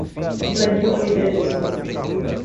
Zilanir Oliveira de Souza